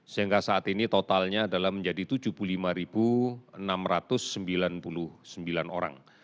sehingga saat ini totalnya adalah menjadi tujuh puluh lima enam ratus sembilan puluh sembilan orang